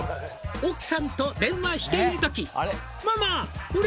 「奥さんと電話しているとき」